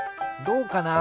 どうかな？